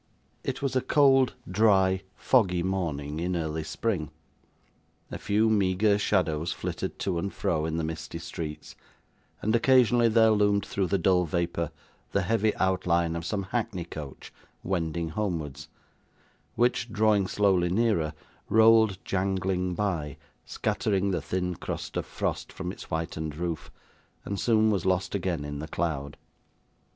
It was a cold, dry, foggy morning in early spring. A few meagre shadows flitted to and fro in the misty streets, and occasionally there loomed through the dull vapour, the heavy outline of some hackney coach wending homewards, which, drawing slowly nearer, rolled jangling by, scattering the thin crust of frost from its whitened roof, and soon was lost again in the cloud.